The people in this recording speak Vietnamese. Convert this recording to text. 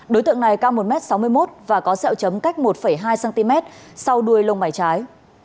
đối tượng này cao một m sáu mươi một và có sẹo chấm cách một hai cm sau đuôi lông mảy trái